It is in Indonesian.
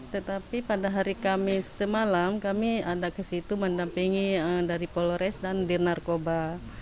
tetapi pada hari kamis semalam kami ada ke situ mendampingi dari polores dan dir narkoba